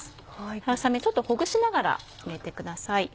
春雨ちょっとほぐしながら入れてください。